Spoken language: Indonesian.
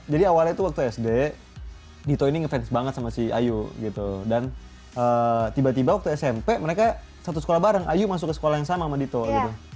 jadi awalnya tuh waktu sd dito ini ngefans banget sama si ayu gitu dan tiba tiba waktu smp mereka satu sekolah bareng ayu masuk ke sekolah yang sama sama dito gitu